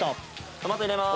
トマト入れます。